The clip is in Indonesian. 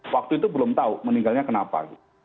waktu itu belum tahu meninggalnya kenapa